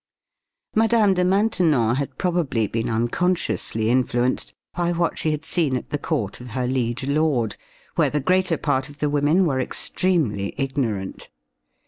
Mme. de Maintenon had probably been unconsciously influenced by what she had seen at the court of her liege lord, where the greater part of the women were extremely ignorant.